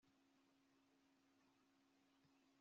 ndacyayisenga na j batuye mumuryango wamazu